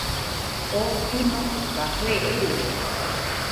Oo fɨnoka café erɨrede